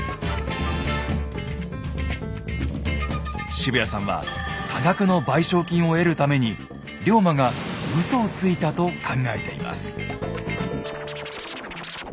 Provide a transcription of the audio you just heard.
渋谷さんは多額の賠償金を得るために龍馬がウソをついたと考えています。